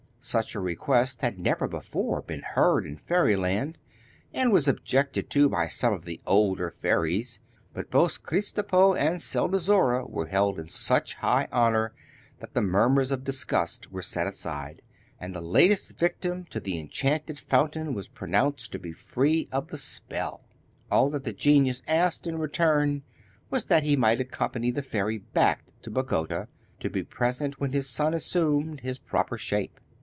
Such a request had never before been heard in fairyland, and was objected to by some of the older fairies; but both Kristopo and Selnozoura were held in such high honour that the murmurs of disgust were set aside, and the latest victim to the enchanted fountain was pronounced to be free of the spell. All that the genius asked in return was that he might accompany the fairy back to Bagota, and be present when his son assumed his proper shape.